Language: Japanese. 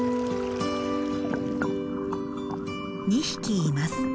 ２匹います。